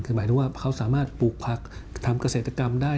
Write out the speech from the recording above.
คือหมายถึงว่าเขาสามารถปลูกผักทำเกษตรกรรมได้